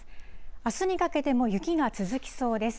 あすにかけても雪が続きそうです。